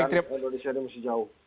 indonesia ini mesti jauh